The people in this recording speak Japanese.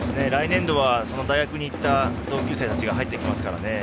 大学に行った同級生たちが来年入ってきますからね。